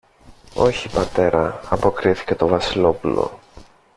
Όχι, πατέρα, αποκρίθηκε το Βασιλόπουλο.